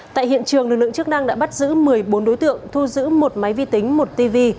tại hiện trường lực lượng chức năng đã bắt giữ một mươi bốn đối tượng thu giữ một máy vi tính một tv